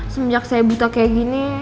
semenjak saya buta kayak gini